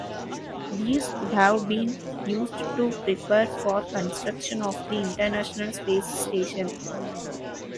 These would have been used to prepare for construction of the International Space Station.